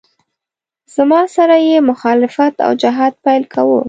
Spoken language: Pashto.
زما سره یې مخالفت او جهاد پیل کاوه.